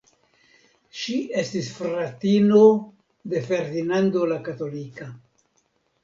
Ŝi estis fratino de Ferdinando la Katolika.